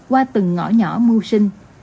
qua từng ngõ nhỏ mua sinh